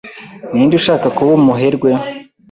Ninde udashaka kuba umuherwe?